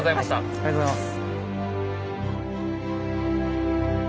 ありがとうございます。